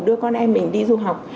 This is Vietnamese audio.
đưa con em mình đi du học